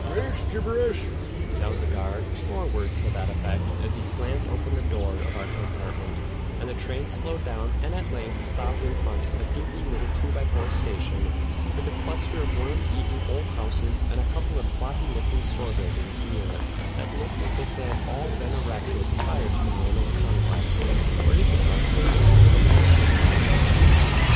"Ax gibberish!" yelled the guard, or words to that effect, as he slammed open the door of our compartment, and the train slowed down and at length stopped in front of a dinky little two by four station, with a cluster of worm eaten old houses and a couple of sloppy looking store buildings near it that looked as if they had all been erected prior to the Norman Conquest, or even possibly antedated the Christian era.